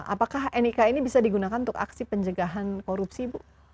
apakah nik ini bisa digunakan untuk aksi pencegahan korupsi bu